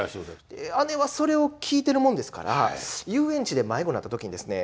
姉はそれを聞いてるもんですから遊園地で迷子になった時にですね